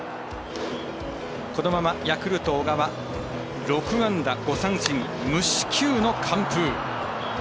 このままヤクルト小川６安打５三振無四球の完封。